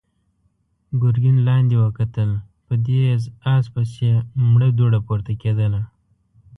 ګرګين لاندې وکتل، په تېز آس پسې مړه دوړه پورته کېدله.